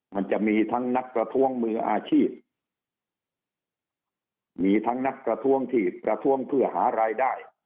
มันจะมีทั้งนักประท้วงมืออาชีพมีทั้งนักประท้วงที่ประท้วงเพื่อหารายได้